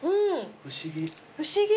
不思議。